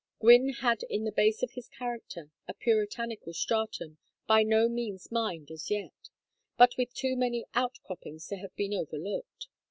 Gwynne had in the base of his character a puritanical stratum by no means mined as yet, but with too many outcroppings to have been overlooked.